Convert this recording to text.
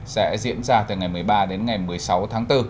sẽ diễn ra từ ngày một mươi ba đến ngày một mươi sáu tháng bốn